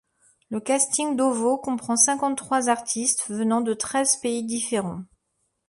Le casting d’Ovo comprend cinquante trois artistes, venant de treize pays différents.